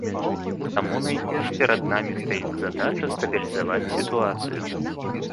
Таму найперш перад намі стаіць задача стабілізаваць сітуацыю.